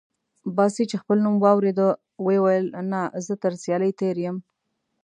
باسي چې خپل نوم واورېد وې ویل: نه، زه تر سیالۍ تېر یم.